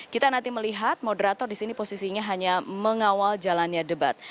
kita nanti melihat moderator di sini posisinya hanya mengawal jalannya debat